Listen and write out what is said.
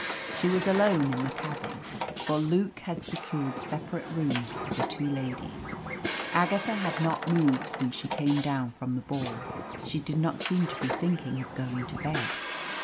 She was alone in the cabin, for Luke had secured separate rooms for the two ladies. Agatha had not moved since she came down from the ball. She did not seem to be thinking of going to bed.